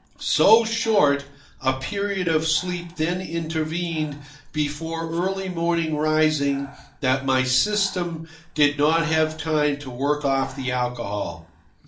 So short a period of sleep then intervened before early morning rising that my system did not have time to work off the alcohol.